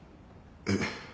えっ。